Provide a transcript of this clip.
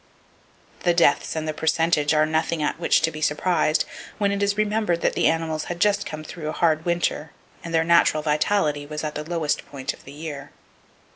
The deaths and the percentage are nothing at which to be surprised, when it is remembered, that the animals had just come through a hard winter, and their natural vitality was at the lowest point of the year.